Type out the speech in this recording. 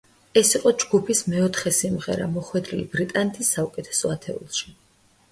ეს იყო ჯგუფის მეოთხე სიმღერა, მოხვედრილი ბრიტანეთის საუკეთესო ათეულში.